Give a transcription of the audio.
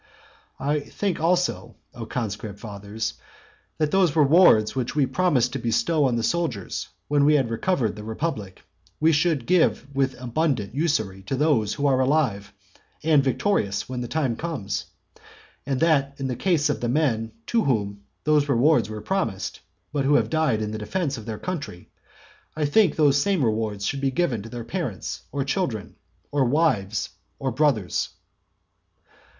And I think also, O conscript fathers, that those rewards which we promised to bestow on the soldiers when we had recovered the republic, we should give with abundant usury to those who are alive and victorious when the time comes; and that in the case of the men to whom those rewards were promised, but who have died in the defence of their country, I think those same rewards should be given to their parents or children, or wives or brothers.